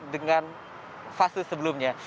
dengan fase sebelumnya